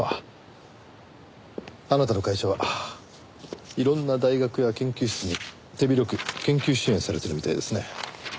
あなたの会社はいろんな大学や研究室に手広く研究支援されてるみたいですね。